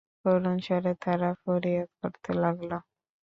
করুণস্বরে তারা ফরিয়াদ করতে লাগল।